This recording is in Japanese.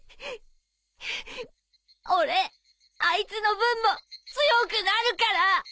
俺あいつの分も強くなるから！